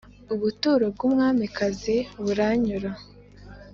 Ubuturo bw'umwamikazi buranyura,